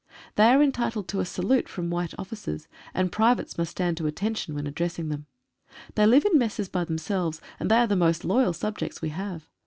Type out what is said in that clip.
They are entitled to a salute from white officers, and privates must stand to attention when ad dressing them. They live in messes by themselves, and they are the most loyal subjects we have.